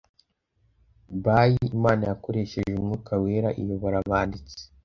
Bye imana yakoresheje umwuka wera iyobora abanditsi